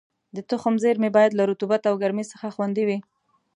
د تخم زېرمې باید له رطوبت او ګرمۍ څخه خوندي وي.